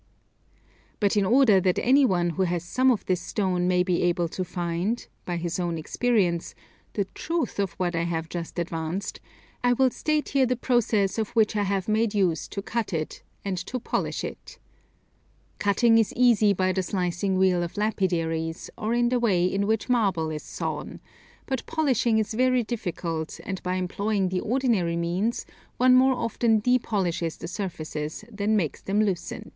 But in order that any one who has some of this stone may be able to find, by his own experience, the truth of what I have just advanced, I will state here the process of which I have made use to cut it, and to polish it. Cutting is easy by the slicing wheels of lapidaries, or in the way in which marble is sawn: but polishing is very difficult, and by employing the ordinary means one more often depolishes the surfaces than makes them lucent.